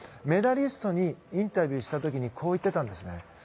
メダリストにインタビューした時にこう言っていたんですね。